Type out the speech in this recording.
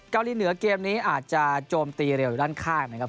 เกาหลีเหนือเกมนี้อาจจะโจมตีเร็วอยู่ด้านข้างนะครับ